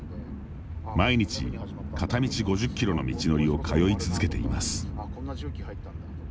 毎日、片道５０キロの道のりを通い続けています。